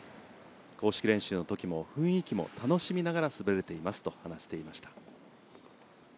公式練習の時も雰囲気を楽しみながら滑れていますと話していました。